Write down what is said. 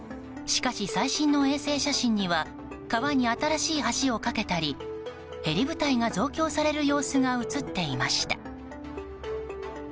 しかし最新の衛星写真には川に新しい橋を架けたりヘリ部隊が増強される様子が写っていました。